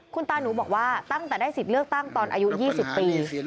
คุณตาหนูบอกว่าตั้งแต่ได้สิทธิ์เลือกตั้งตอนอายุ๒๐ปี